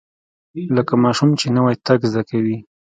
لکه ماشوم چې نوى تګ زده کوي.